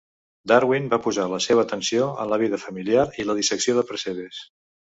Darwin va posar la seva atenció en la vida familiar i la dissecció de percebes.